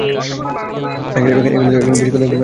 এখানে বেশিক্ষণ থাকলে, আমরা ডুবে যাব।